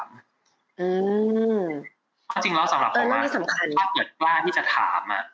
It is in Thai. เพราะจริงแล้วสำหรับพ่อแม่ถ้าเกลียดกล้าที่จะถาม